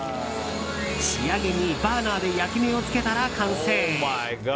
仕上げに、バーナーで焼き目をつけたら完成。